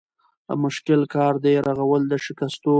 مشکل کار دی رغول د شکستو